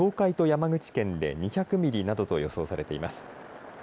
東海と山口県で２００ミリなどと予想されています。